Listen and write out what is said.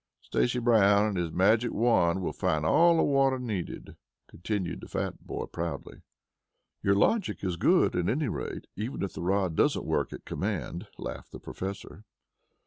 Stacy Brown and his magic wand will find all the water needed," continued the fat boy proudly. "Your logic is good, at any rate, even if the rod doesn't work at command," laughed the Professor.